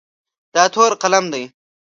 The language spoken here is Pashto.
دا تور قلم دی.